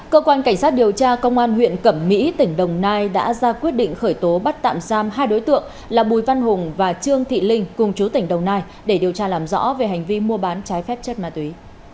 cơ quan cảnh sát điều tra công an huyện cẩm mỹ tỉnh đồng nai đã ra quyết định khởi tố bắt tạm giam hai đối tượng là bùi văn hùng và trương thị linh cùng chú tỉnh đồng nai để điều tra làm rõ về hành vi mua bán trái phép chất ma túy